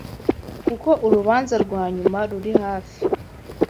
kuko Urubanza rwanyuma ruri hafi